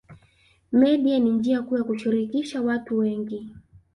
Media ni njia kuu ya kushirikisha watu wengi